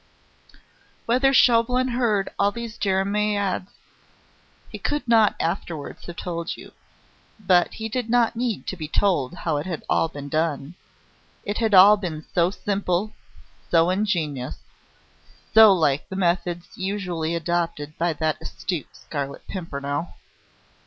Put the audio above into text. Whether Chauvelin heard all these jeremiads, he could not afterwards have told you. But he did not need to be told how it had all been done. It had all been so simple, so ingenious, so like the methods usually adopted by that astute Scarlet Pimpernel!